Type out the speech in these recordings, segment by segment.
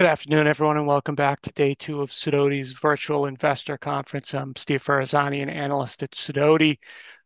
Good afternoon, everyone, and welcome back to Day Two of Sidoti's Virtual Investor Conference. I'm Steve Ferazani, an analyst at Sidoti.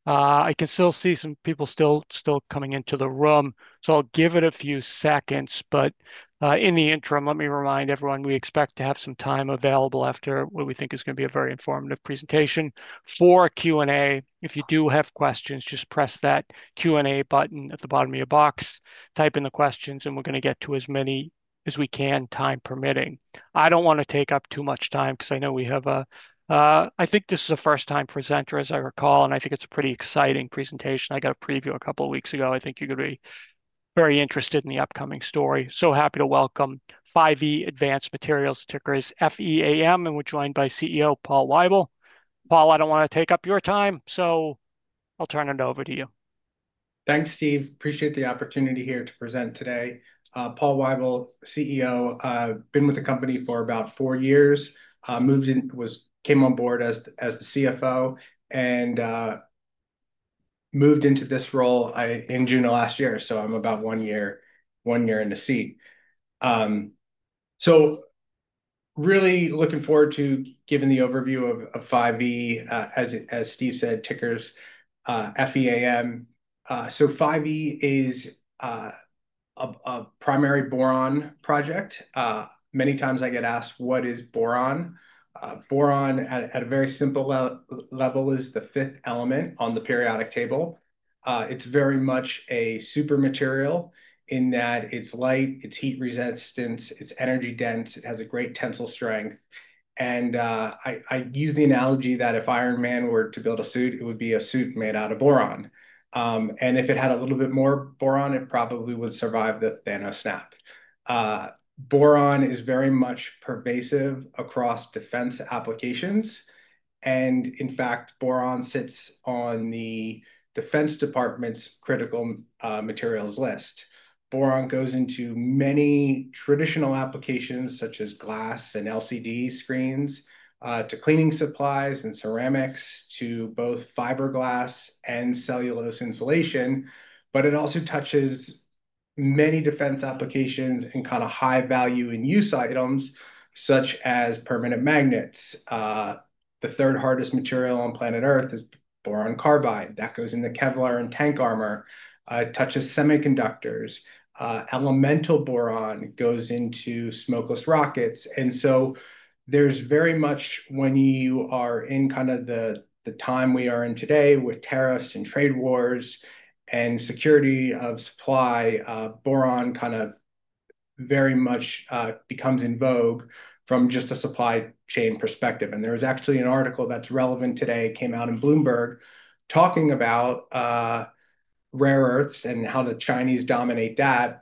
I can still see some people still coming into the room, so I'll give it a few seconds. In the interim, let me remind everyone we expect to have some time available after what we think is going to be a very informative presentation for Q&A. If you do have questions, just press that Q&A button at the bottom of your box, type in the questions, and we're going to get to as many as we can, time permitting. I don't want to take up too much time because I know we have a—I think this is a first-time presenter, as I recall, and I think it's a pretty exciting presentation. I got a preview a couple of weeks ago. I think you're going to be very interested in the upcoming story. So happy to welcome 5E Advanced Materials, ticker is FEAM, and we're joined by CEO Paul Weibel. Paul, I don't want to take up your time, so I'll turn it over to you. Thanks, Steve. Appreciate the opportunity here to present today. Paul Weibel, CEO, been with the company for about four years, moved in, came on board as the CFO, and moved into this role in June of last year. I'm about one year in the seat. Really looking forward to giving the overview of 5E. As Steve said, ticker is FEAM. 5E is a primary boron project. Many times I get asked, what is boron? Boron, at a very simple level, is the fifth element on the periodic table. It's very much a super material in that it's light, it's heat resistant, it's energy dense, it has a great tensile strength. I use the analogy that if Iron Man were to build a suit, it would be a suit made out of boron. If it had a little bit more boron, it probably would survive the Thanos snap. Boron is very much pervasive across defense applications. In fact, boron sits on the Defense Department's critical materials list. Boron goes into many traditional applications, such as glass and LCD screens, to cleaning supplies and ceramics, to both fiberglass and cellulose insulation. It also touches many defense applications and kind of high-value-and-use items, such as permanent magnets. The third hardest material on planet Earth is boron carbide. That goes in the Kevlar and tank armor. It touches semiconductors. Elemental boron goes into smokeless rockets. There is very much, when you are in kind of the time we are in today with tariffs and trade wars and security of supply, boron kind of very much becomes in vogue from just a supply chain perspective. There was actually an article that's relevant today that came out in Bloomberg talking about rare earths and how the Chinese dominate that.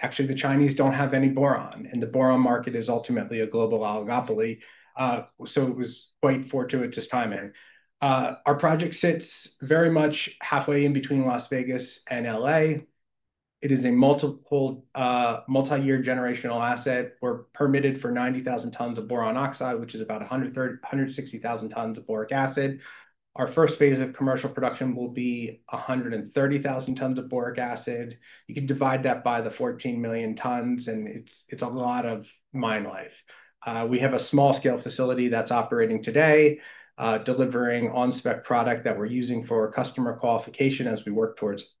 Actually, the Chinese don't have any boron, and the boron market is ultimately a global oligopoly. It was quite fortuitous timing. Our project sits very much halfway in between Las Vegas and Los Angeles. It is a multi-year generational asset. We're permitted for 90,000 tons of boron oxide, which is about 160,000 tons of boric acid. Our first phase of commercial production will be 130,000 tons of boric acid. You can divide that by the 14 million tons, and it's a lot of mine life. We have a small-scale facility that's operating today, delivering on-spec product that we're using for customer qualification as we work towards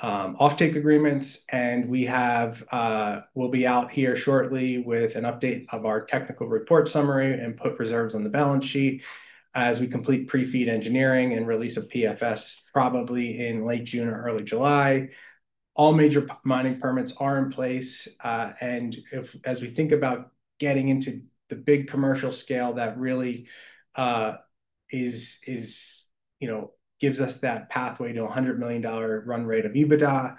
off-take agreements. We'll be out here shortly with an update of our technical report summary and put reserves on the balance sheet as we complete pre-feed engineering and release of PFS probably in late June or early July. All major mining permits are in place. As we think about getting into the big commercial scale that really gives us that pathway to a $100 million run rate of EBITDA,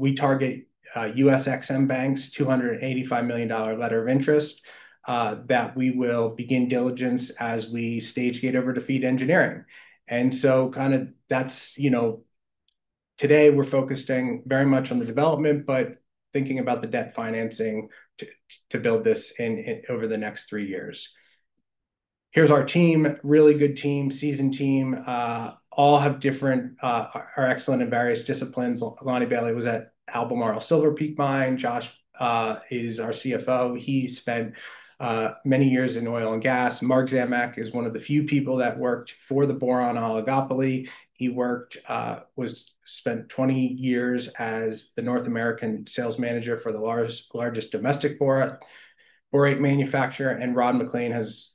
we target U.S. Export-Import Bank's $285 million letter of interest that we will begin diligence as we stage gate over to feed engineering. Kind of that's today we're focusing very much on the development, but thinking about the debt financing to build this over the next three years. Here's our team, really good team, seasoned team. All have different, are excellent in various disciplines. Lonnie Bailey was at Albemarle Silver Peak Mine. Josh is our CFO. He spent many years in oil and gas. Mark Zamek is one of the few people that worked for the boron oligopoly. He spent 20 years as the North American Sales Manager for the largest domestic borate manufacturer. Rod McLean has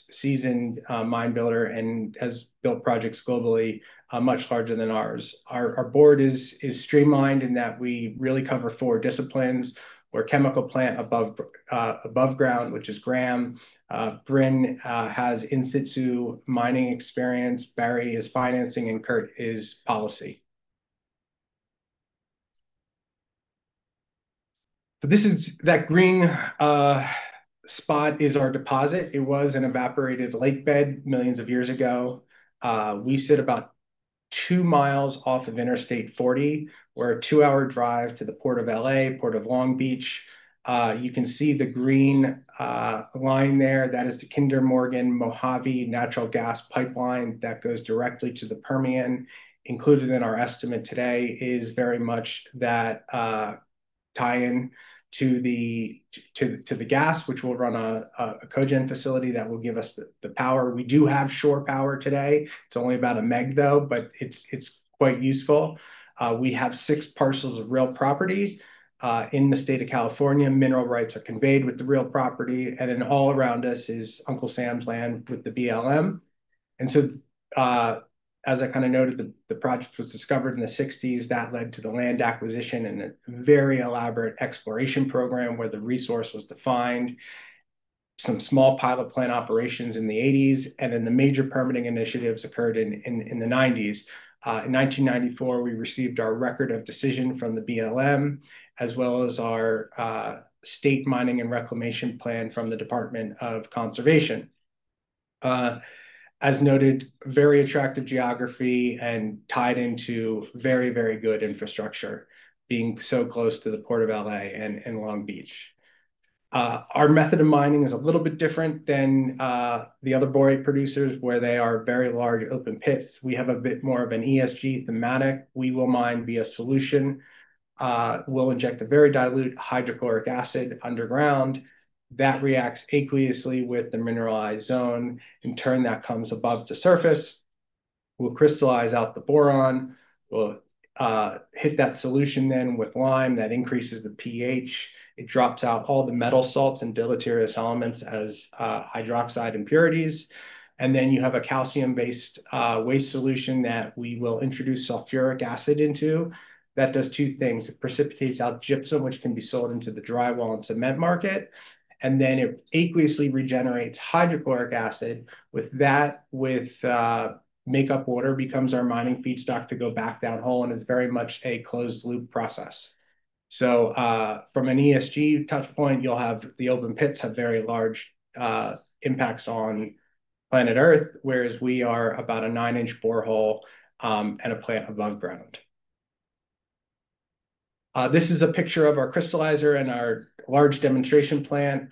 seasoned mine builder and has built projects globally much larger than ours. Our board is streamlined in that we really cover four disciplines. We're a chemical plant above ground, which is Graham. Brynn has in-situ mining experience. Barry is financing, and Kurt is policy. That green spot is our deposit. It was an evaporated lake bed millions of years ago. We sit about two miles off of Interstate 40. We're a two-hour drive to the Port of L.A., Port of Long Beach. You can see the green line there. That is the Kinder Morgan Mojave natural gas pipeline that goes directly to the Permian. Included in our estimate today is very much that tie-in to the gas, which will run a cogen facility that will give us the power. We do have shore power today. It's only about a meg, though, but it's quite useful. We have six parcels of real property in the state of California. Mineral rights are conveyed with the real property. All around us is Uncle Sam's land with the BLM. As I kind of noted, the project was discovered in the 1960s. That led to the land acquisition and a very elaborate exploration program where the resource was defined. Some small pilot plant operations in the 1980s. The major permitting initiatives occurred in the 1990s. In 1994, we received our record of decision from the BLM, as well as our state mining and reclamation plan from the Department of Conservation. As noted, very attractive geography and tied into very, very good infrastructure, being so close to the Port of L.A. and Long Beach. Our method of mining is a little bit different than the other borate producers, where they are very large open pits. We have a bit more of an ESG thematic. We will mine via solution. We'll inject a very dilute hydrochloric acid underground. That reacts aqueously with the mineralized zone. In turn, that comes above the surface. We'll crystallize out the boron. We'll hit that solution then with lime that increases the pH. It drops out all the metal salts and deleterious elements as hydroxide impurities. You have a calcium-based waste solution that we will introduce sulfuric acid into. That does two things. It precipitates out gypsum, which can be sold into the drywall and cement market. It aqueously regenerates hydrochloric acid with that. Makeup water becomes our mining feedstock to go back that hole. It is very much a closed-loop process. From an ESG touchpoint, you'll have the open pits have very large impacts on planet Earth, whereas we are about a nine-inch borehole and a plant above ground. This is a picture of our crystallizer and our large demonstration plant.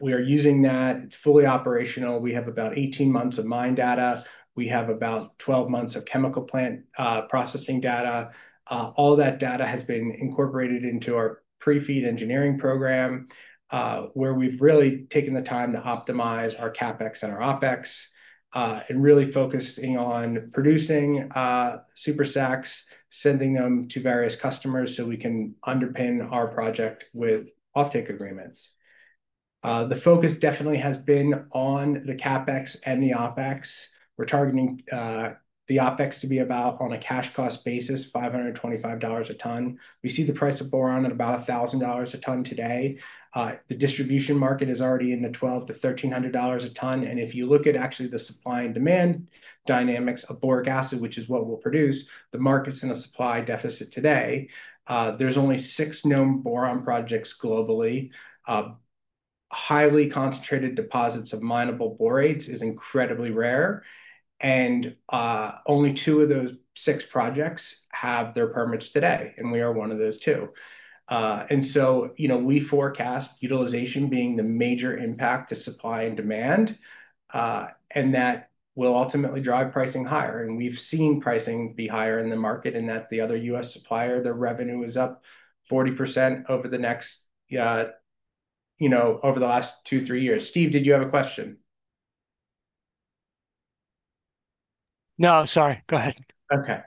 We are using that. It is fully operational. We have about 18 months of mine data. We have about 12 months of chemical plant processing data. All that data has been incorporated into our pre-feed engineering program, where we've really taken the time to optimize our CapEx and our OpEx and really focusing on producing super sacks, sending them to various customers so we can underpin our project with off-take agreements. The focus definitely has been on the CapEx and the OpEx. We're targeting the OpEx to be about, on a cash cost basis, $525 a ton. We see the price of boron at about $1,000 a ton today. The distribution market is already in the $1,200-$1,300 a ton. If you look at actually the supply and demand dynamics of boric acid, which is what we'll produce, the market's in a supply deficit today. There's only six known boron projects globally. Highly concentrated deposits of minable borates is incredibly rare. Only two of those six projects have their permits today. We are one of those two. We forecast utilization being the major impact to supply and demand, and that will ultimately drive pricing higher. We've seen pricing be higher in the market in that the other U.S. supplier, their revenue is up 40% over the last two, three years. Steve, did you have a question? No, sorry. Go ahead. Okay.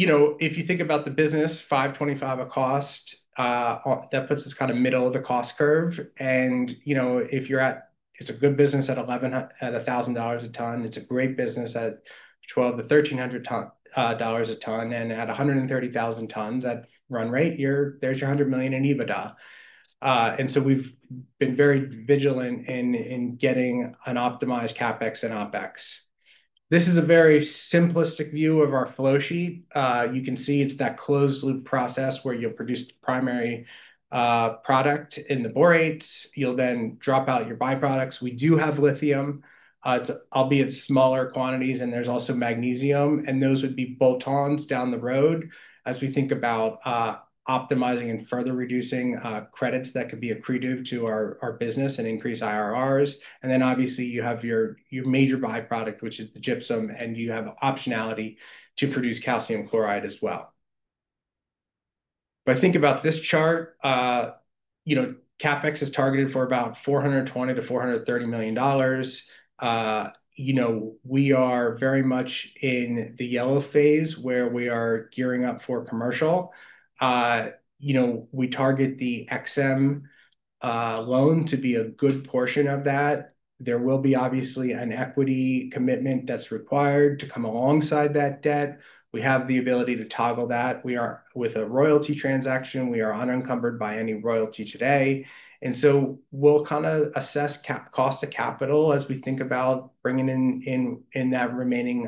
If you think about the business, $525 a cost, that puts us kind of middle of the cost curve. If you're at, it's a good business at $1,000 a ton. It's a great business at $1,200-$1,300 a ton. At 130,000 tons at run rate, there's your $100 million in EBITDA. We've been very vigilant in getting an optimized CapEx and OpEx. This is a very simplistic view of our flow sheet. You can see it's that closed-loop process where you'll produce the primary product in the borates. You'll then drop out your byproducts. We do have lithium, albeit smaller quantities, and there's also magnesium. Those would be bolt-ons down the road as we think about optimizing and further reducing credits that could be accretive to our business and increase IRRs. Obviously, you have your major byproduct, which is the gypsum, and you have optionality to produce calcium chloride as well. If I think about this chart, CapEx is targeted for about $420-$430 million. We are very much in the yellow phase where we are gearing up for commercial. We target the XM loan to be a good portion of that. There will be, obviously, an equity commitment that's required to come alongside that debt. We have the ability to toggle that. With a royalty transaction, we are unencumbered by any royalty today. We will kind of assess cost of capital as we think about bringing in that remaining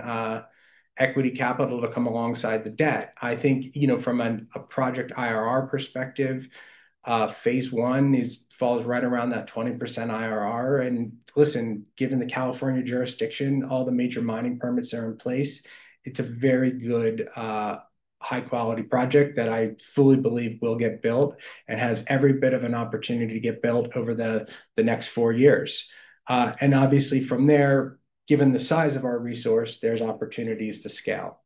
equity capital to come alongside the debt. I think from a project IRR perspective, phase one falls right around that 20% IRR. Listen, given the California jurisdiction, all the major mining permits are in place. It's a very good, high-quality project that I fully believe will get built and has every bit of an opportunity to get built over the next four years. Obviously, from there, given the size of our resource, there's opportunities to scale.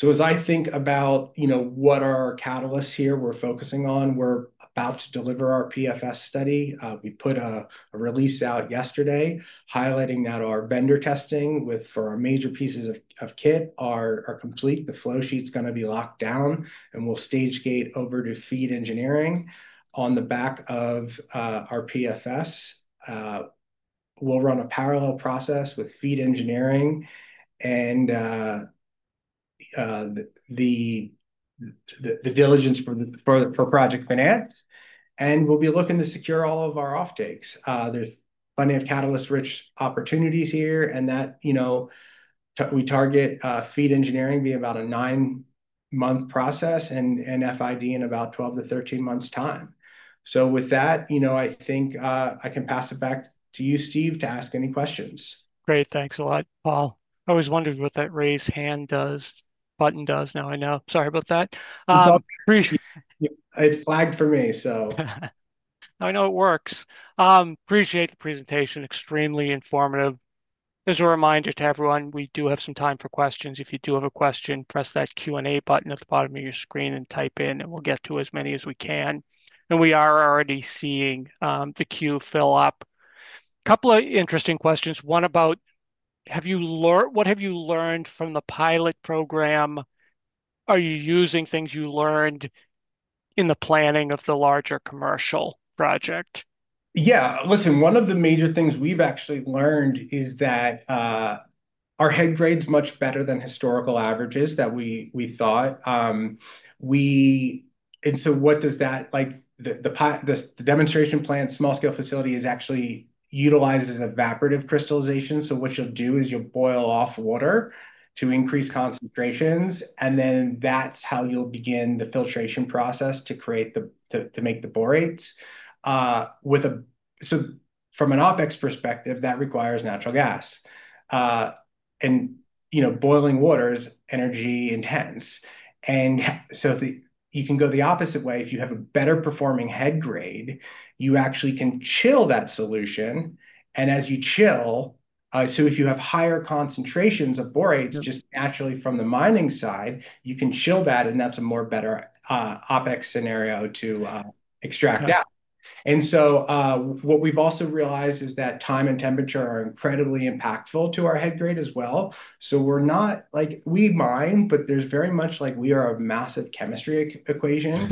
As I think about what our catalysts are here we're focusing on, we're about to deliver our PFS study. We put a release out yesterday highlighting that our vendor testing for our major pieces of kit are complete. The flow sheet's going to be locked down, and we'll stage gate over to feed engineering. On the back of our PFS, we'll run a parallel process with feed engineering and the diligence for project finance. We'll be looking to secure all of our off-takes. There's plenty of catalyst-rich opportunities here. We target feed engineering to be about a nine-month process and FID in about 12-13 months' time. With that, I think I can pass it back to you, Steve, to ask any questions. Great. Thanks a lot, Paul. I always wondered what that raise hand button does. Now I know. Sorry about that. It's flagged for me, so. I know it works. Appreciate the presentation. Extremely informative. As a reminder to everyone, we do have some time for questions. If you do have a question, press that Q&A button at the bottom of your screen and type in, and we'll get to as many as we can. We are already seeing the queue fill up. A couple of interesting questions. One about what have you learned from the pilot program? Are you using things you learned in the planning of the larger commercial project? Yeah. Listen, one of the major things we've actually learned is that our head grade's much better than historical averages that we thought. What the demonstration plant, small-scale facility, actually utilizes is evaporative crystallization. What you'll do is you'll boil off water to increase concentrations. That's how you'll begin the filtration process to make the borates. From an OpEx perspective, that requires natural gas. Boiling water is energy intense. You can go the opposite way. If you have a better-performing head grade, you actually can chill that solution. As you chill, if you have higher concentrations of borates just naturally from the mining side, you can chill that, and that's a more better OpEx scenario to extract out. What we've also realized is that time and temperature are incredibly impactful to our head grade as well. We're not like we mine, but there's very much like we are a massive chemistry equation.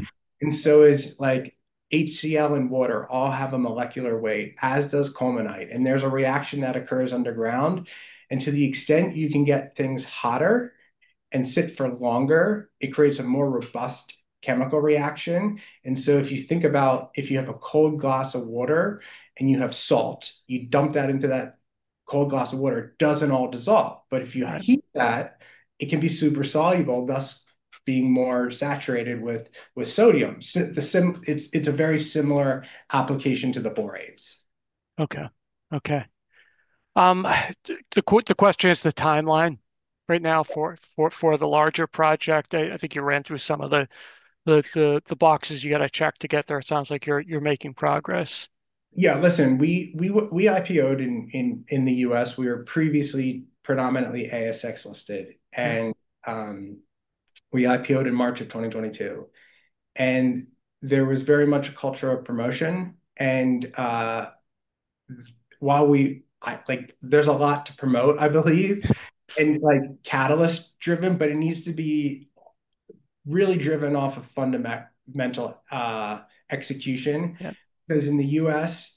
HCl and water all have a molecular weight, as does culminate. There's a reaction that occurs underground. To the extent you can get things hotter and sit for longer, it creates a more robust chemical reaction. If you think about if you have a cold glass of water and you have salt, you dump that into that cold glass of water, it doesn't all dissolve. If you heat that, it can be super soluble, thus being more saturated with sodium. It's a very similar application to the borates. Okay. Okay. The question is the timeline right now for the larger project. I think you ran through some of the boxes you got to check to get there. It sounds like you're making progress. Yeah. Listen, we IPOed in the U.S. We were previously predominantly ASX-listed. And we IPO-ed in March of 2022. There was very much a culture of promotion. While there's a lot to promote, I believe, and catalyst-driven, it needs to be really driven off of fundamental execution. Because in the U.S.,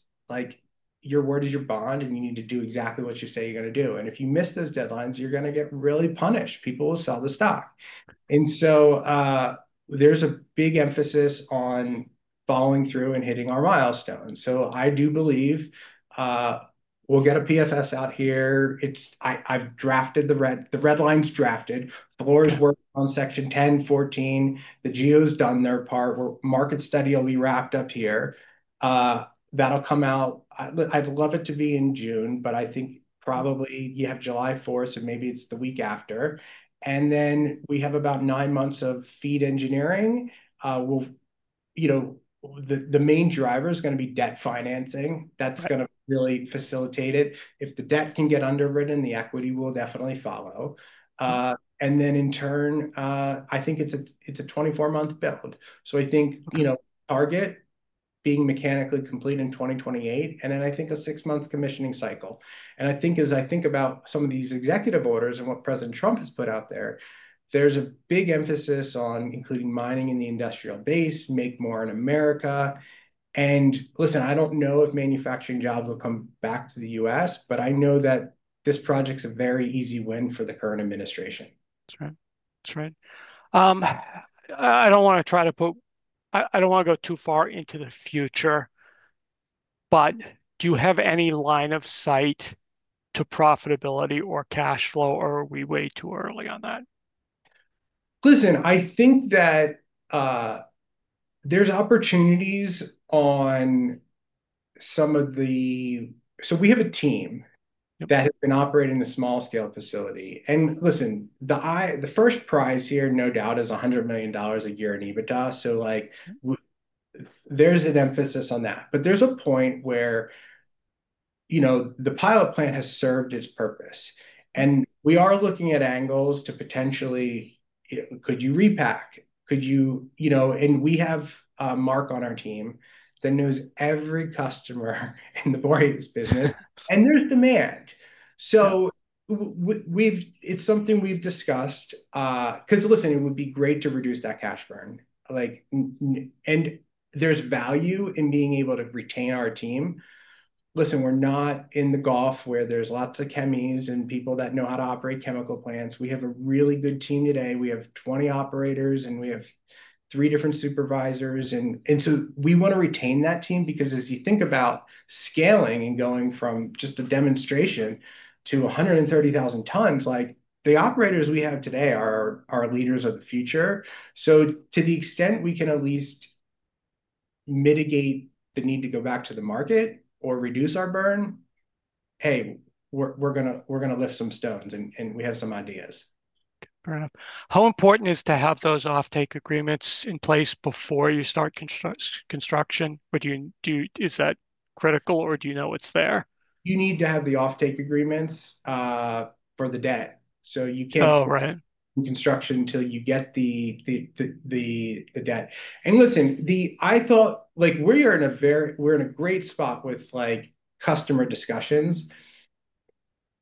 your word is your bond, and you need to do exactly what you say you're going to do. If you miss those deadlines, you're going to get really punished. People will sell the stock. There's a big emphasis on following through and hitting our milestones. I do believe we'll get a PFS out here. I've drafted the red lines drafted. The board's working on Section 10, 14. The GEO's done their part. Market study will be wrapped up here. That'll come out. I'd love it to be in June, but I think probably you have July 4th, so maybe it's the week after. Then we have about nine months of feed engineering. The main driver is going to be debt financing. That's going to really facilitate it. If the debt can get underwritten, the equity will definitely follow. In turn, I think it's a 24-month build. I think target being mechanically complete in 2028. I think a six-month commissioning cycle. As I think about some of these executive orders and what President Trump has put out there, there's a big emphasis on including mining in the industrial base, make more in America. Listen, I don't know if manufacturing jobs will come back to the U.S., but I know that this project's a very easy win for the current administration. That's right. That's right. I don't want to try to put, I don't want to go too far into the future, but do you have any line of sight to profitability or cash flow, or are we way too early on that? Listen, I think that there's opportunities on some of the so we have a team that has been operating the small-scale facility. Listen, the first prize here, no doubt, is $100 million a year in EBITDA. There is an emphasis on that. There is a point where the pilot plant has served its purpose. We are looking at angles to potentially, could you repack? We have Mark on our team that knows every customer in the borate business. There is demand. It is something we've discussed. Listen, it would be great to reduce that cash burn. There is value in being able to retain our team. Listen, we're not in the gulf where there's lots of chemies and people that know how to operate chemical plants. We have a really good team today. We have 20 operators, and we have three different supervisors. We want to retain that team because as you think about scaling and going from just a demonstration to $130,000 tons, the operators we have today are our leaders of the future. To the extent we can at least mitigate the need to go back to the market or reduce our burn, hey, we're going to lift some stones, and we have some ideas. Fair enough. How important is it to have those off-take agreements in place before you start construction? Is that critical, or do you know it's there? You need to have the off-take agreements for the debt. You cannot do construction until you get the debt. Listen, I thought we are in a great spot with customer discussions.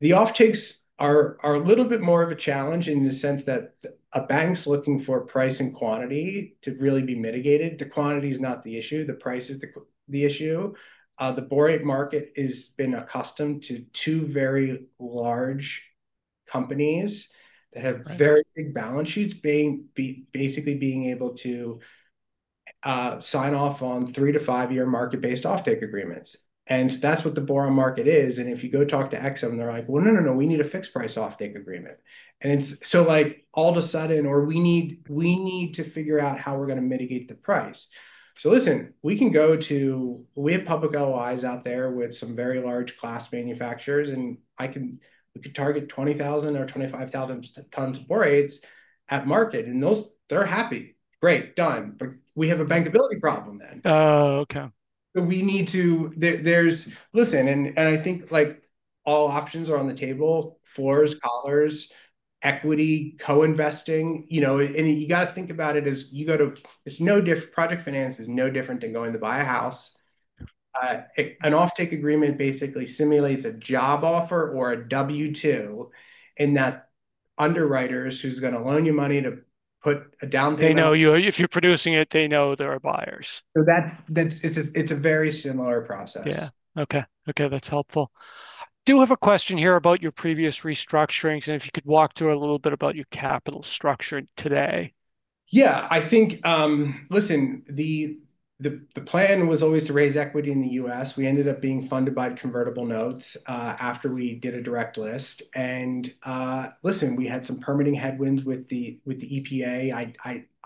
The off-takes are a little bit more of a challenge in the sense that a bank is looking for price and quantity to really be mitigated. The quantity is not the issue. The price is the issue. The borate market has been accustomed to two very large companies that have very big balance sheets, basically being able to sign off on three- to five-year market-based off-take agreements. That is what the boron market is. If you go talk to Export-Import Bank of the United States, they are like, "No, no, no. We need a fixed price off-take agreement." All of a sudden, or we need to figure out how we are going to mitigate the price. Listen, we can go to we have public OIs out there with some very large class manufacturers. And we could target 20,000 or 25,000 tons of borates at market. And they're happy. Great. Done. But we have a bankability problem then. Oh, okay. We need to listen. I think all options are on the table: floors, collars, equity, co-investing. You got to think about it as you go to project finance. It is no different than going to buy a house. An off-take agreement basically simulates a job offer or a W-2 in that underwriters are going to loan you money to put a down payment. They know if you're producing it, they know there are buyers. It's a very similar process. Yeah. Okay. Okay. That's helpful. I do have a question here about your previous restructurings. And if you could walk through a little bit about your capital structure today. Yeah. I think, listen, the plan was always to raise equity in the U.S. We ended up being funded by convertible notes after we did a direct list. Listen, we had some permitting headwinds with the EPA.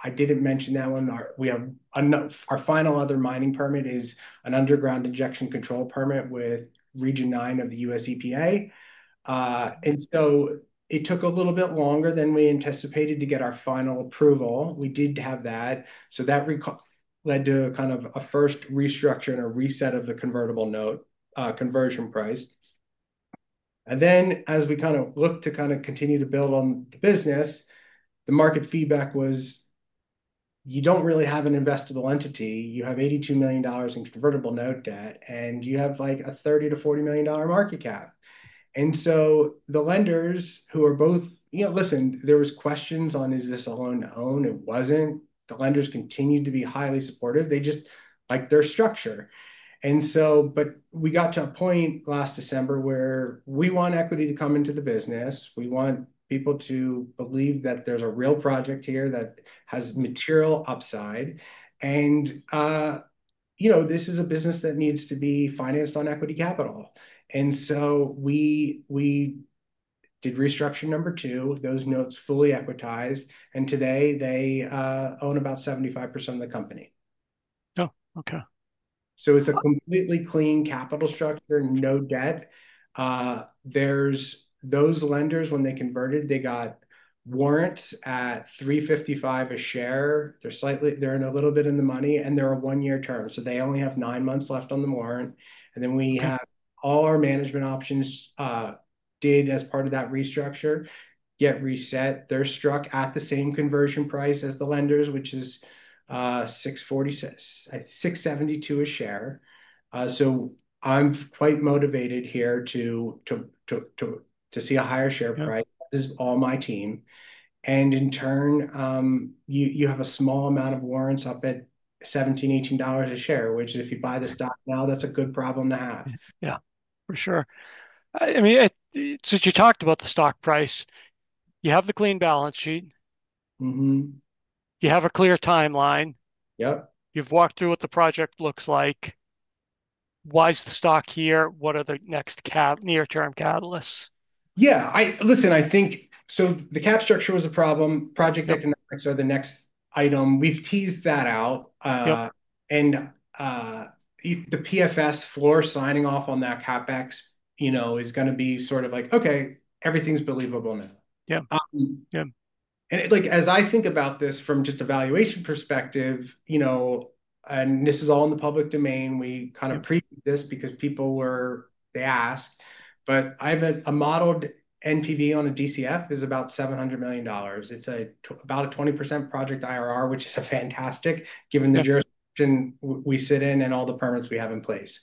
I did not mention that one. Our final other mining permit is an underground injection control permit with Region 9 of the U.S. EPA. It took a little bit longer than we anticipated to get our final approval. We did have that. That led to kind of a first restructure and a reset of the convertible note conversion price. As we looked to continue to build on the business, the market feedback was, "You do not really have an investable entity. You have $82 million in convertible note debt, and you have a $30-$40 million market cap. The lenders who are both, listen, there were questions on, "Is this a loan to own?" It was not. The lenders continued to be highly supportive. They just like their structure. We got to a point last December where we want equity to come into the business. We want people to believe that there is a real project here that has material upside. This is a business that needs to be financed on equity capital. We did restructure number two, those notes fully equitized. Today, they own about 75% of the company. Oh, okay. It's a completely clean capital structure, no debt. Those lenders, when they converted, they got warrants at 3.55 a share. They're a little bit in the money. They're a one-year term, so they only have nine months left on the warrant. All our management options did, as part of that restructure, get reset. They're struck at the same conversion price as the lenders, which is 6.72 a share. I'm quite motivated here to see a higher share price. This is all my team. In turn, you have a small amount of warrants up at $17, $18 a share, which if you buy the stock now, that's a good problem to have. Yeah. For sure. I mean, since you talked about the stock price, you have the clean balance sheet. You have a clear timeline. You've walked through what the project looks like. Why is the stock here? What are the next near-term catalysts? Yeah. Listen, I think so the cap structure was a problem. Project economics are the next item. We've teased that out. The PFS floor signing off on that CapEx is going to be sort of like, "Okay, everything's believable now." As I think about this from just a valuation perspective, and this is all in the public domain. We kind of preached this because people were, they asked. A modeled NPV on a DCF is about $700 million. It's about a 20% project IRR, which is fantastic given the jurisdiction we sit in and all the permits we have in place.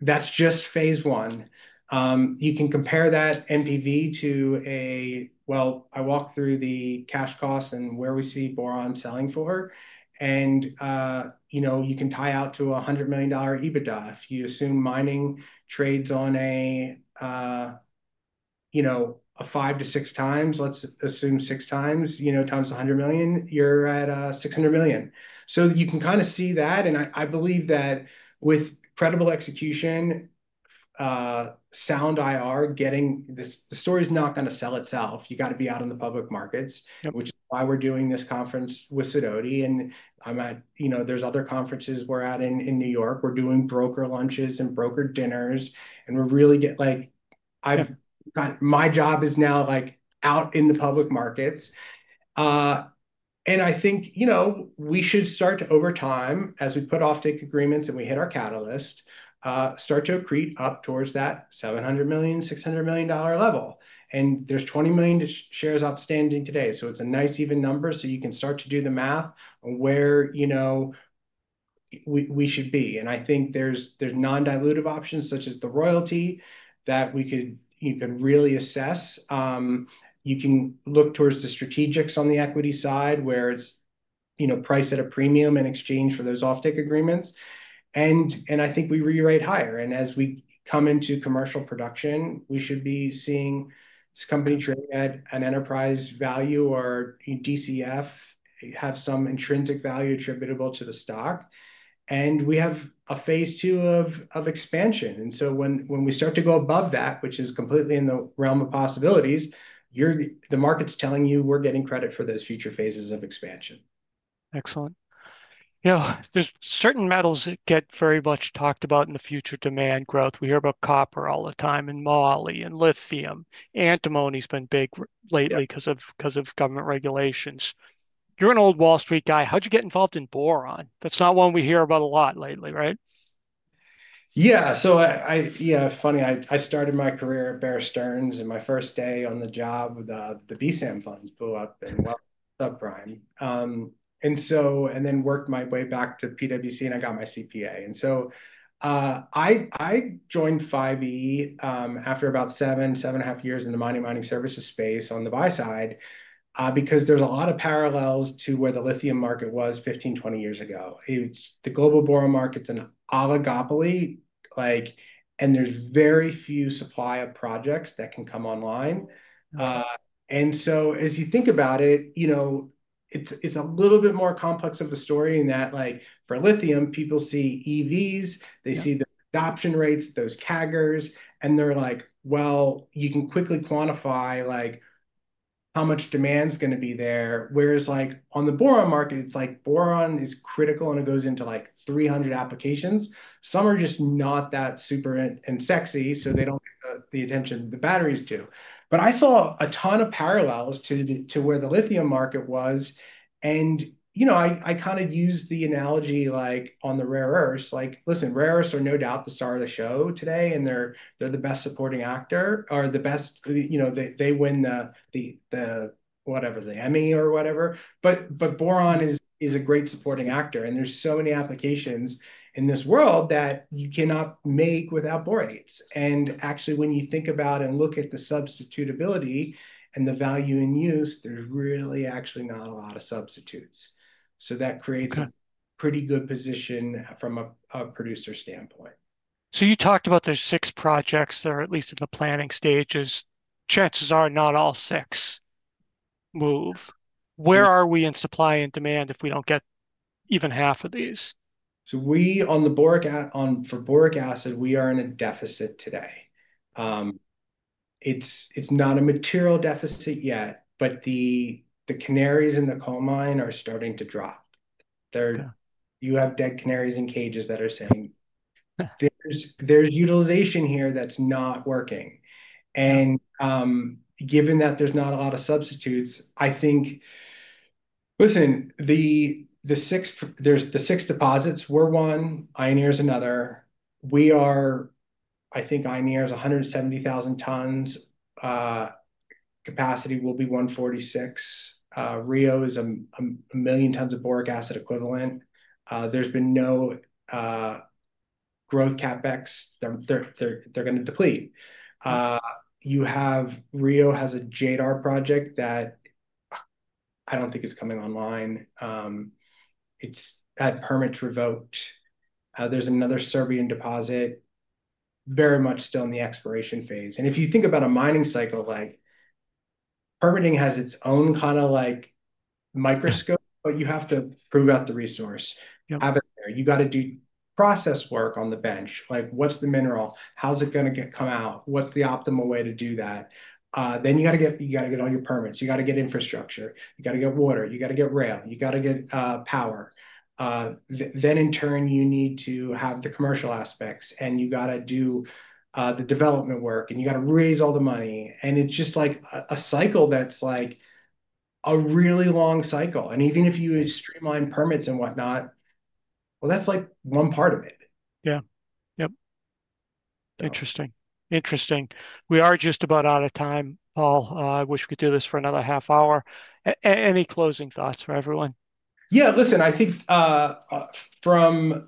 That's just phase one. You can compare that NPV to a, well, I walked through the cash costs and where we see boron selling for. You can tie out to a $100 million EBITDA if you assume mining trades on a five to six times. Let's assume six times $100 million. You're at $600 million. You can kind of see that. I believe that with credible execution, sound IR, getting the story is not going to sell itself. You got to be out in the public markets, which is why we're doing this conference with Sidoti. There are other conferences we're at in New York. We're doing broker lunches and broker dinners. My job is now out in the public markets. I think we should start to, over time, as we put off-take agreements and we hit our catalyst, start to accrete up towards that $700 million-$600 million level. There are $20 million shares outstanding today. It's a nice even number. You can start to do the math on where we should be. I think there are non-dilutive options such as the royalty that you can really assess. You can look towards the strategist on the equity side where it is priced at a premium in exchange for those off-take agreements. I think we re-rated higher. As we come into commercial production, we should be seeing this company trade at an enterprise value or DCF have some intrinsic value attributable to the stock. We have a phase two of expansion. When we start to go above that, which is completely in the realm of possibilities, the market is telling you we are getting credit for those future phases of expansion. Excellent. Yeah. There are certain metals that get very much talked about in the future demand growth. We hear about copper all the time and moly and lithium. Antimony has been big lately because of government regulations. You are an old Wall Street guy. How did you get involved in boron? That is not one we hear about a lot lately, right? Yeah. So yeah, funny. I started my career at Bear Stearns. My first day on the job, the BSAM funds blew up and went subprime. I worked my way back to PwC, and I got my CPA. I joined 5E after about seven, seven and a half years in the mining services space on the buy side because there's a lot of parallels to where the lithium market was 15-20 years ago. The global boron market's an oligopoly, and there's very few supply of projects that can come online. As you think about it, it's a little bit more complex of a story in that for lithium, people see EVs. They see the adoption rates, those CAGRs. They're like, "You can quickly quantify how much demand's going to be there." Whereas on the boron market, boron is critical, and it goes into like 300 applications. Some are just not that super and sexy, so they don't get the attention the batteries do. I saw a ton of parallels to where the lithium market was. I kind of use the analogy on the rare earths. Listen, rare earths are no doubt the star of the show today, and they're the best supporting actor or the best, they win the whatever, the Emmy or whatever. Boron is a great supporting actor. There are so many applications in this world that you cannot make without borates. Actually, when you think about and look at the substitutability and the value in use, there's really actually not a lot of substitutes. That creates a pretty good position from a producer standpoint. You talked about there's six projects that are at least in the planning stages. Chances are not all six move. Where are we in supply and demand if we don't get even half of these? On the boric acid, we are in a deficit today. It's not a material deficit yet, but the canaries in the coal mine are starting to drop. You have dead canaries in cages that are saying, "There's utilization here that's not working." Given that there's not a lot of substitutes, I think, listen, the six deposits, we're one. Ioneer is another. I think Ioneer is 170,000 tons. Capacity will be 146. Rio is a million tons of boric acid equivalent. There's been no growth CapEx. They're going to deplete. Rio has a JADAR project that I don't think is coming online. It's had permits revoked. There's another Serbian deposit very much still in the exploration phase. If you think about a mining cycle, permitting has its own kind of microscope, but you have to prove out the resource. You got to do process work on the bench. What's the mineral? How's it going to come out? What's the optimal way to do that? You got to get all your permits. You got to get infrastructure. You got to get water. You got to get rail. You got to get power. You need to have the commercial aspects. You got to do the development work. You got to raise all the money. It's just like a cycle that's like a really long cycle. Even if you streamline permits and whatnot, that's like one part of it. Yeah. Yep. Interesting. Interesting. We are just about out of time, Paul. I wish we could do this for another half hour. Any closing thoughts for everyone? Yeah. Listen, I think from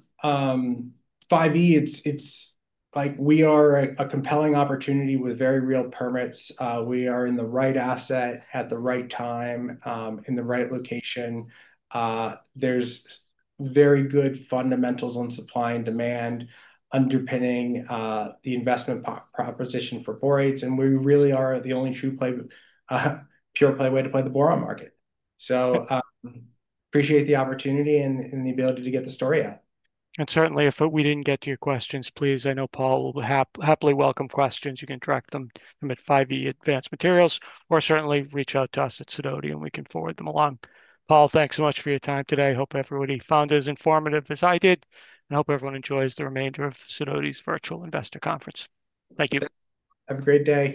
5E, it's like we are a compelling opportunity with very real permits. We are in the right asset at the right time in the right location. There are very good fundamentals on supply and demand underpinning the investment proposition for borates. We really are the only true pure play way to play the boron market. I appreciate the opportunity and the ability to get the story out. If we did not get to your questions, please, I know Paul will happily welcome questions. You can direct them at 5E Advanced Materials. Or certainly reach out to us at Sidoti, and we can forward them along. Paul, thanks so much for your time today. Hope everybody found it as informative as I did. I hope everyone enjoys the remainder of Sidoti's virtual investor conference. Thank you. Have a great day.